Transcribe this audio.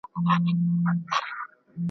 ځوانۍ چې د پايزېبو د شرنګار پۀ ارمان مړې شوې